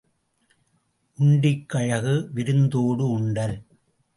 உண்டிக்கு அழகு விருந்தோடு உண்டல்.